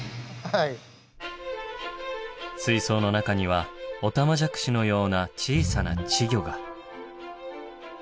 水槽の中にはオタマジャクシのような小さな稚魚が。